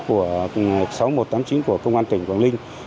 của công an tỉnh quảng linh